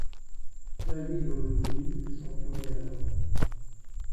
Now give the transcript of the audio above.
David O'Loughlin fut champion d'Irlande.